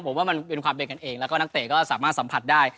ผมว่ามันเป็นความเป็นกันเองแล้วก็นักเตะก็สามารถสัมผัสได้